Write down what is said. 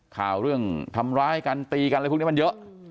ข่าวเรื่องทำร้ายกันตีกันอะไรพวกนี้มันเยอะ